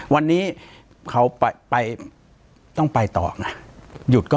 ปากกับภาคภูมิ